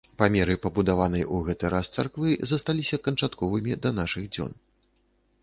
Памеры пабудаванай у гэты раз царквы засталіся канчатковымі да нашых дзён.